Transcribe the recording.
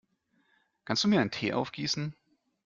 Kannst du mir einen Tee aufgießen?